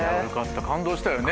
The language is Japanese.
感動したよね